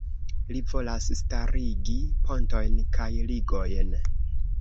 Li volas starigi pontojn kaj ligojn.